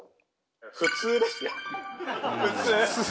普通ですよ普通。